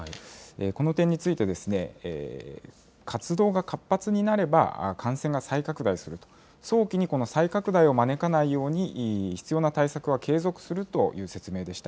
この点について、活動が活発になれば、感染が再拡大すると、早期にこの再拡大を招かないように必要な対策は継続するという説明でした。